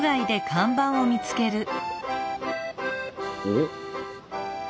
おっ！